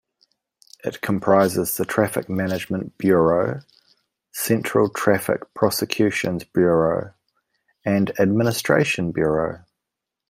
It comprises the Traffic Management Bureau, Central Traffic Prosecutions Bureau, and Administration Bureau.